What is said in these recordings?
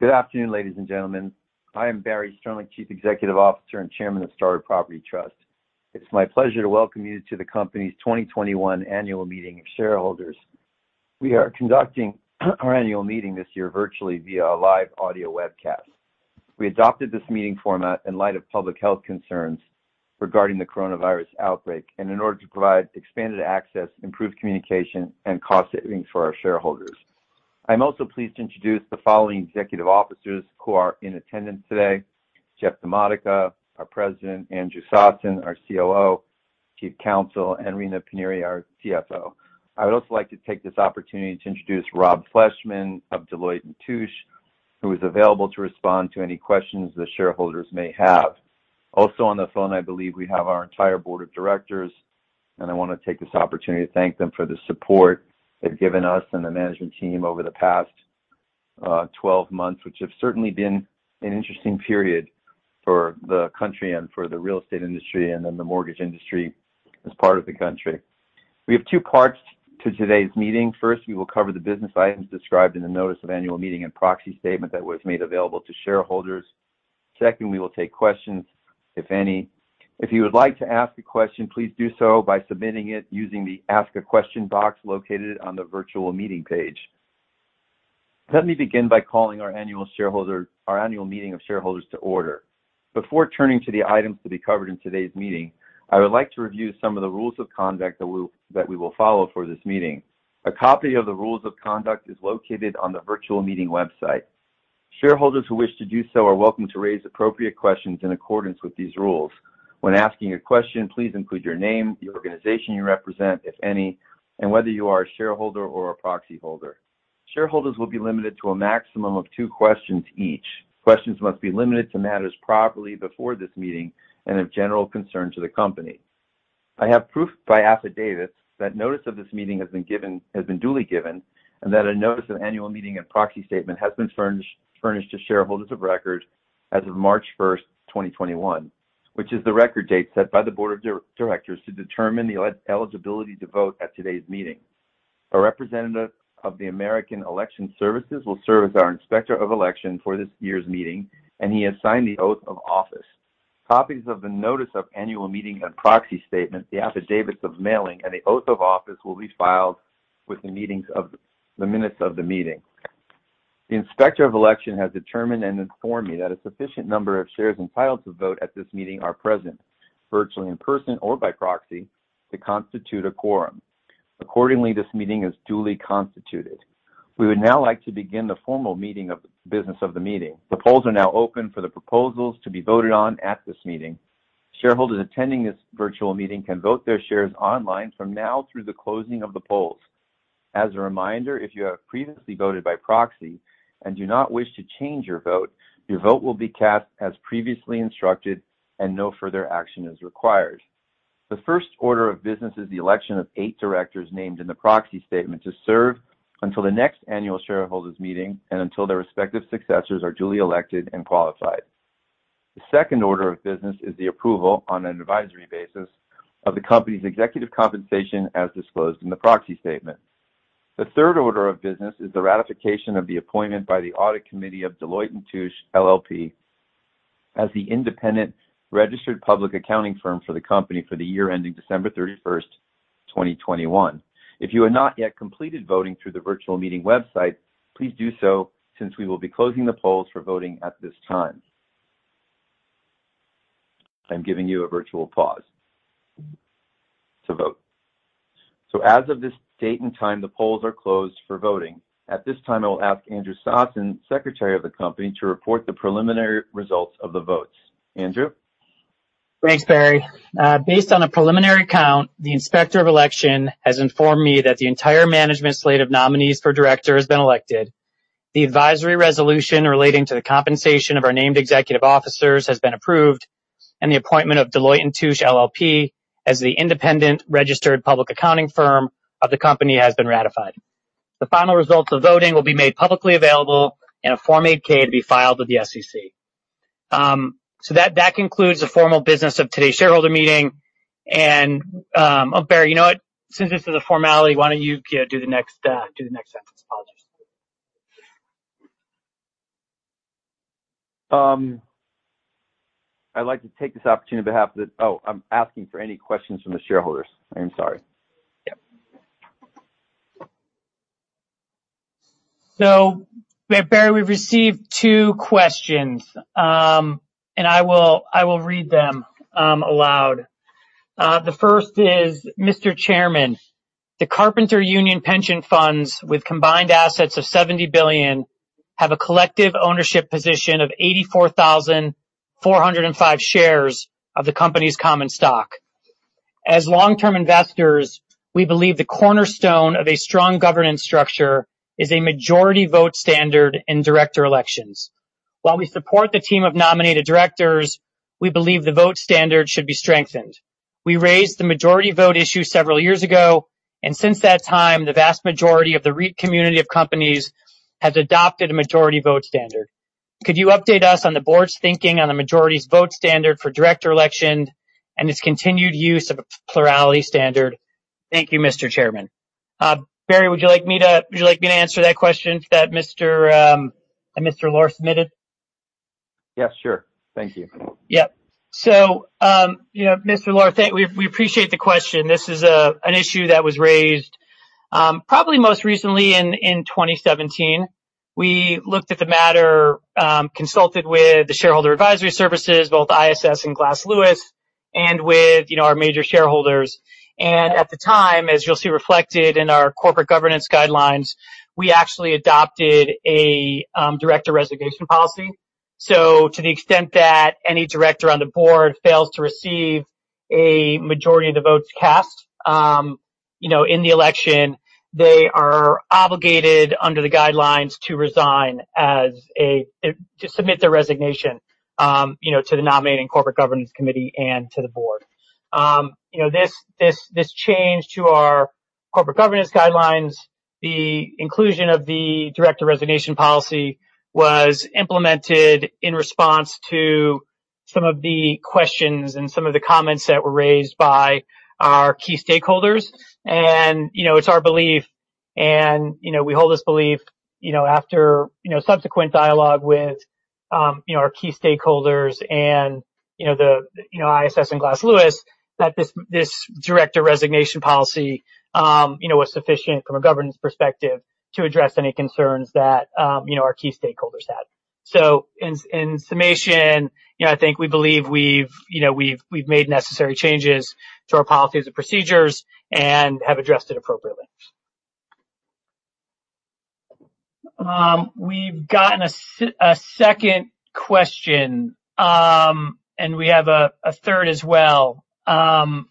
Good afternoon, ladies and gentlemen. I am Barry Sternlicht, Chief Executive Officer and Chairman of Starwood Property Trust. It's my pleasure to welcome you to the company's 2021 Annual Meeting of Shareholders. We are conducting our annual meeting this year virtually via a live audio webcast. We adopted this meeting format in light of public health concerns regarding the coronavirus outbreak and in order to provide expanded access, improved communication, and cost savings for our shareholders. I'm also pleased to introduce the following executive officers who are in attendance today: Jeff DiModica, our President; Andrew Sossen, our COO, Chief Counsel; and Rina Paniry, our CFO. I would also like to take this opportunity to introduce Rob Fleischmann of Deloitte & Touche, who is available to respond to any questions the shareholders may have.. Also on the phone, I believe we have our entire board of directors, and I want to take this opportunity to thank them for the support they've given us and the management team over the past 12 months, which have certainly been an interesting period for the country and for the real estate industry and then the mortgage industry as part of the country. We have two parts to today's meeting. First, we will cover the business items described in the notice of annual meeting and proxy statement that was made available to shareholders. Second, we will take questions, if any. If you would like to ask a question, please do so by submitting it using the Ask a Question box located on the virtual meeting page. Let me begin by calling our annual meeting of shareholders to order. Before turning to the items to be covered in today's meeting, I would like to review some of the rules of conduct that we will follow for this meeting. A copy of the rules of conduct is located on the virtual meeting website. Shareholders who wish to do so are welcome to raise appropriate questions in accordance with these rules. When asking a question, please include your name, the organization you represent, if any, and whether you are a shareholder or a proxy holder. Shareholders will be limited to a maximum of two questions each. Questions must be limited to matters properly before this meeting and of general concern to the company. I have proof by affidavit that notice of this meeting has been duly given and that a notice of annual meeting and proxy statement has been furnished to shareholders of record as of March 1st, 2021, which is the record date set by the board of directors to determine the eligibility to vote at today's meeting. A representative of the American Election Services will serve as our inspector of election for this year's meeting, and he has signed the oath of office. Copies of the notice of annual meeting and proxy statement, the affidavits of mailing, and the oath of office will be filed with the minutes of the meeting. The inspector of election has determined and informed me that a sufficient number of shares entitled to vote at this meeting are present virtually in person or by proxy to constitute a quorum. Accordingly, this meeting is duly constituted. We would now like to begin the formal meeting of the business of the meeting. The polls are now open for the proposals to be voted on at this meeting. Shareholders attending this virtual meeting can vote their shares online from now through the closing of the polls. As a reminder, if you have previously voted by proxy and do not wish to change your vote, your vote will be cast as previously instructed, and no further action is required. The first order of business is the election of eight directors named in the proxy statement to serve until the next annual shareholders' meeting and until their respective successors are duly elected and qualified. The second order of business is the approval, on an advisory basis, of the company's executive compensation as disclosed in the proxy statement. The third order of business is the ratification of the appointment by the audit committee of Deloitte & Touche LLP, as the independent registered public accounting firm for the company for the year ending December 31st, 2021. If you have not yet completed voting through the virtual meeting website, please do so since we will be closing the polls for voting at this time. I'm giving you a virtual pause to vote. So, as of this date and time, the polls are closed for voting. At this time, I will ask Andrew Sossen, Secretary of the Company, to report the preliminary results of the votes. Andrew? Thanks, Barry. Based on a preliminary count, the inspector of election has informed me that the entire management slate of nominees for director has been elected, the advisory resolution relating to the compensation of our named executive officers has been approved, and the appointment of Deloitte & Touche LLP as the independent registered public accounting firm of the company has been ratified. The final results of voting will be made publicly available in a Form 8-K to be filed with the SEC. So that concludes the formal business of today's shareholder meeting. Barry, you know what? Since this is a formality, why don't you do the next sentence? Apologies. I'd like to take this opportunity on behalf of the, oh, I'm asking for any questions from the shareholders. I'm sorry. Yep. So, Barry, we've received two questions, and I will read them aloud. The first is, Mr. Chairman, the Carpenters Union Pension Funds, with combined assets of $70 billion, have a collective ownership position of 84,405 shares of the company's common stock. As long-term investors, we believe the cornerstone of a strong governance structure is a majority vote standard in director elections. While we support the team of nominated directors, we believe the vote standard should be strengthened. We raised the majority vote issue several years ago, and since that time, the vast majority of the community of companies has adopted a majority vote standard. Could you update us on the board's thinking on the majority vote standard for director election and its continued use of a plurality standard? Thank you, Mr. Chairman. Barry, would you like me to answer that question that Mr. Lohr submitted? Yes, sure. Thank you. Yep, so, Mr. Lohr, we appreciate the question. This is an issue that was raised probably most recently in 2017. We looked at the matter, consulted with the shareholder advisory services, both ISS and Glass Lewis, and with our major shareholders, and at the time, as you'll see reflected in our corporate governance guidelines, we actually adopted a director resignation policy, so, to the extent that any director on the board fails to receive a majority of the votes cast in the election, they are obligated, under the guidelines, to resign, to submit their resignation to the nominating corporate governance committee and to the board. This change to our corporate governance guidelines, the inclusion of the director resignation policy, was implemented in response to some of the questions and some of the comments that were raised by our key stakeholders. It's our belief, and we hold this belief after subsequent dialogue with our key stakeholders and the ISS and Glass Lewis that this director resignation policy was sufficient from a governance perspective to address any concerns that our key stakeholders had. In summation, I think we believe we've made necessary changes to our policies and procedures and have addressed it appropriately. We've gotten a second question, and we have a third as well. Can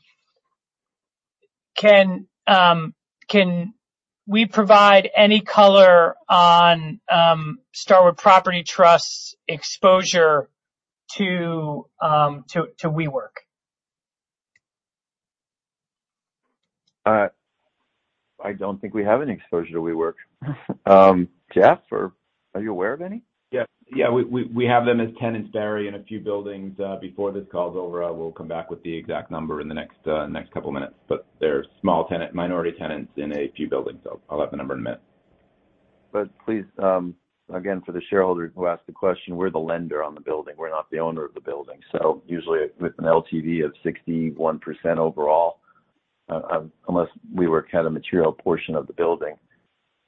we provide any color on Starwood Property Trust's exposure to WeWork? I don't think we have any exposure to WeWork. Jeff, are you aware of any? Yeah. Yeah. We have them as tenants, Barry, in a few buildings. Before this call's over, I will come back with the exact number in the next couple of minutes. But they're small tenants, minority tenants in a few buildings. I'll have the number in a minute. But please, again, for the shareholder who asked the question, we're the lender on the building. We're not the owner of the building. So, usually, with an LTV of 61% overall, unless WeWork had a material portion of the building,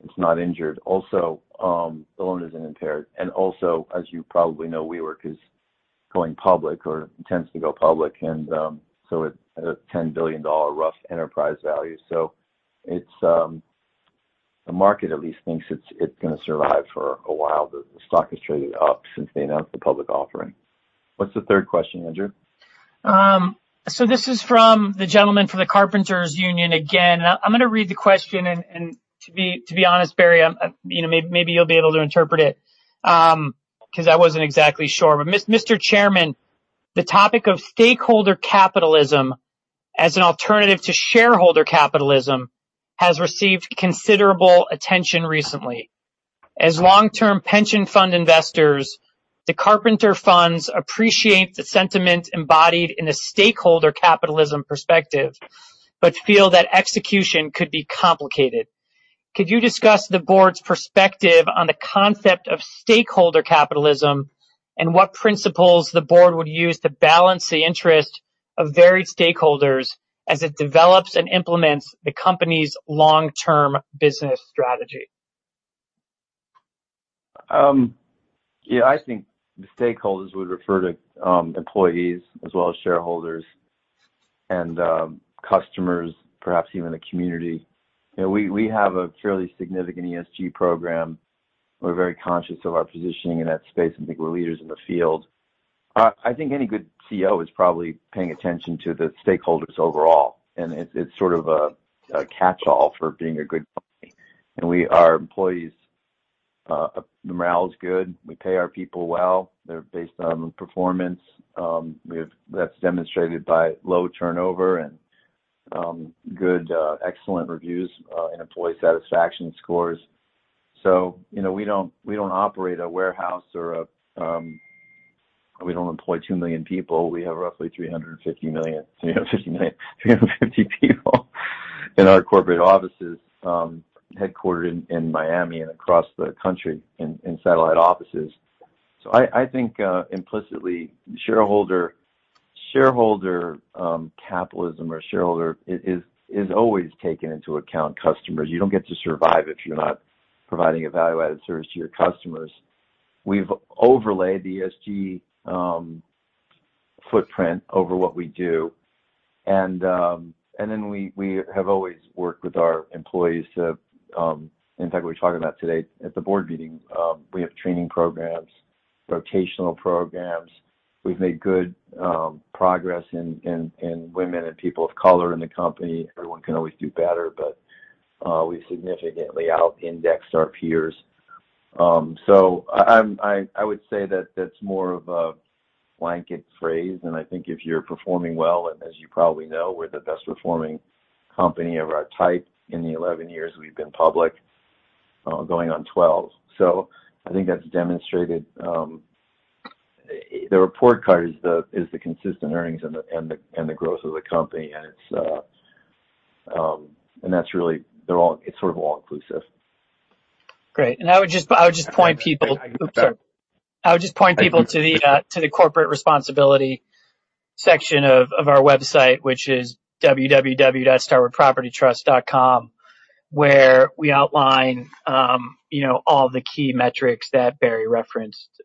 it's not injured. Also, the loan isn't impaired. And also, as you probably know, WeWork is going public or intends to go public, and so at a $10 billion rough enterprise value. So, the market at least thinks it's going to survive for a while. The stock has traded up since they announced the public offering. What's the third question, Andrew? This is from the gentleman from the Carpenters Union again. I'm going to read the question. To be honest, Barry, maybe you'll be able to interpret it because I wasn't exactly sure. Mr. Chairman, the topic of stakeholder capitalism as an alternative to shareholder capitalism has received considerable attention recently. As long-term pension fund investors, the Carpenter Funds appreciate the sentiment embodied in a stakeholder capitalism perspective but feel that execution could be complicated. Could you discuss the board's perspective on the concept of stakeholder capitalism and what principles the board would use to balance the interest of varied stakeholders as it develops and implements the company's long-term business strategy? Yeah. I think the stakeholders would refer to employees as well as shareholders and customers, perhaps even the community. We have a fairly significant ESG program. We're very conscious of our positioning in that space and think we're leaders in the field. I think any good CEO is probably paying attention to the stakeholders overall, and it's sort of a catch-all for being a good company. And our employees' morale is good. We pay our people well. They're based on performance. That's demonstrated by low turnover and good, excellent reviews and employee satisfaction scores. So, we don't operate a warehouse or we don't employ 2 million people. We have roughly 350 million, 350 people in our corporate offices headquartered in Miami and across the country in satellite offices. So, I think implicitly, shareholder capitalism or shareholder is always taken into account, customers. You don't get to survive if you're not providing a value-added service to your customers. We've overlaid the ESG footprint over what we do. And then we have always worked with our employees. In fact, we were talking about today at the board meeting. We have training programs, rotational programs. We've made good progress in women and people of color in the company. Everyone can always do better, but we've significantly out-indexed our peers. So, I would say that that's more of a blanket phrase. And I think if you're performing well, and as you probably know, we're the best-performing company of our type in the 11 years we've been public, going on 12. So, I think that's demonstrated. The report card is the consistent earnings and the growth of the company. And that's really. It's sort of all-inclusive. Great. And I would just point people. I'm sorry. I would just point people to the corporate responsibility section of our website, which is www.starwoodpropertytrust.com, where we outline all the key metrics that Barry referenced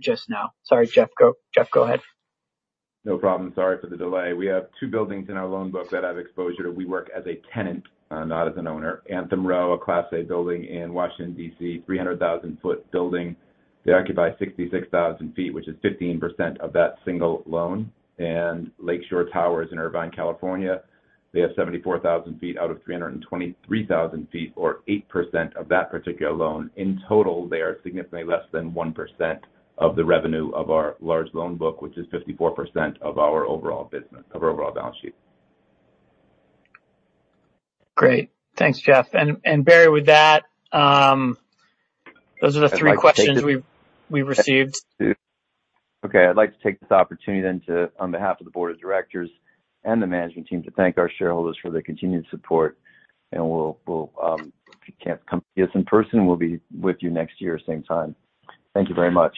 just now. Sorry, Jeff, go ahead. No problem. Sorry for the delay. We have two buildings in our loan book that have exposure to WeWork as a tenant, not as an owner: Anthem Row, a Class A building in Washington, DC, a 300,000 sq ft building. They occupy 66,000 sq ft, which is 15% of that single loan, and Lakeshore Towers in Irvine, California, they have 74,000 sq ft out of 323,000 sq ft, or 8% of that particular loan. In total, they are significantly less than 1% of the revenue of our large loan book, which is 54% of our overall balance sheet. Great. Thanks, Jeff. And, Barry, with that, those are the three questions we've received. Okay. I'd like to take this opportunity then, on behalf of the board of directors and the management team, to thank our shareholders for their continued support, and if you can't come see us in person, we'll be with you next year at the same time. Thank you very much.